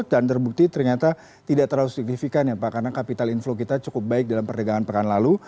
dan terbukti ternyata tidak terlalu signifikan ya pak karena capital inflow kita cukup baik dalam perdagangan perkan lalu